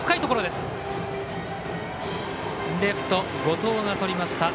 レフト、後藤がとりました。